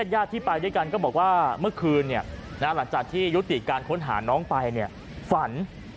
ญาติที่ไปด้วยกันก็บอกว่าเมื่อคืนหลังจากที่ยุติการค้นหาน้องไปเนี่ยฝัน